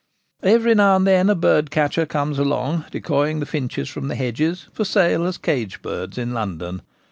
Every now and then a bird catcher comes along decoying the finches from the hedges, for sale as cage birds in London.